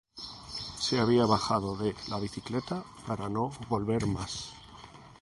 Se había bajado de la bicicleta para no volver más.